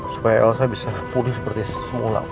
supaya elsa bisa pulih seperti semula